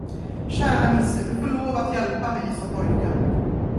Kära Misse, du får lov att hjälpa mig, sade pojken.